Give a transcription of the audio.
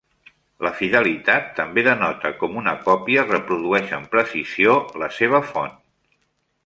La fidelitat també denota com una còpia reprodueix amb precisió la seva font.